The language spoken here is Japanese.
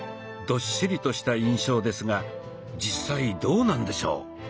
どっしりとした印象ですが実際どうなんでしょう？